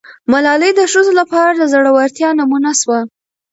ملالۍ د ښځو لپاره د زړه ورتیا نمونه سوه.